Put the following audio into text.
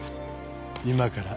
今から。